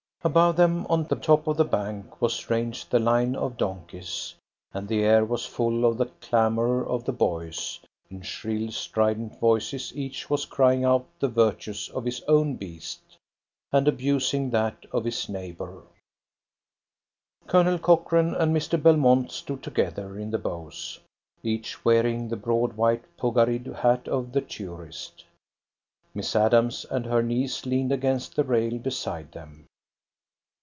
Above them, on the top of the bank, was ranged the line of donkeys, and the air was full of the clamour of the boys. In shrill strident voices each was crying out the virtues of his own beast, and abusing that of his neighbour. Colonel Cochrane and Mr. Belmont stood together in the bows, each wearing the broad white puggareed hat of the tourist. Miss Adams and her niece leaned against the rail beside them.